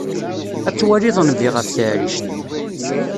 Ad twaliḍ nnbi ɣef taɛrict.